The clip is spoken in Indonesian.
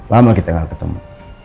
lama kita gak ketemu